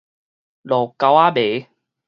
路溝仔糜